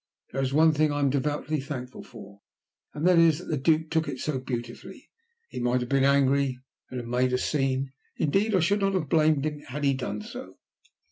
"There is one thing I am devoutly thankful for, and that is that the Duke took it so beautifully. He might have been angry, and have made a scene. Indeed I should not have blamed him, had he done so."